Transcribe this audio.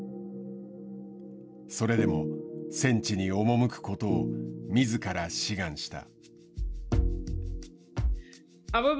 それでも戦地に赴くことをみずから志願した。